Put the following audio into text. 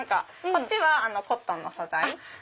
こっちはコットンの素材。